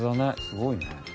すごいね。